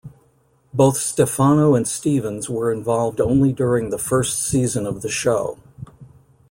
Both Stefano and Stevens were involved only during the first season of the show.